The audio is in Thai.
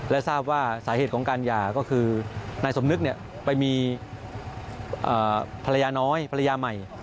และทราบว่าสาเหตุของการหย่าก็คือนายสมนึกไปมีภรรยาน้อยภรรยาใหม่